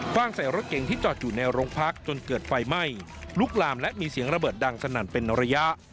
ว่างใส่รถเก๋งที่จอดอยู่ในโรงพักจนเกิดไฟไหม้ลุกลามและมีเสียงระเบิดดังสนั่นเป็นระยะ